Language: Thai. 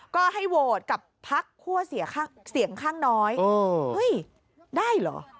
ก็ให้โหวตกับพักคั่วเสียงข้างน้อยเฮ้ยได้เหรอ